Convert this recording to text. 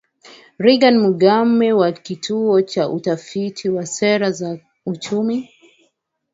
Reagan Mugume wa Kituo cha Utafiti wa Sera za Uchumi